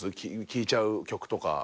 聴いちゃう曲とか。